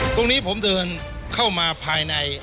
ตรงนี้ผมเดินเข้ามาภายใน